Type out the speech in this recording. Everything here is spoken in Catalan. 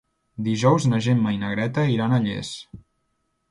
Dijous na Gemma i na Greta iran a Llers.